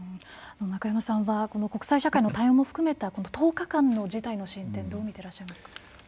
中山さんはこの国際社会の対応も含めた１０日間の事態の進展をどう見てらっしゃいますか？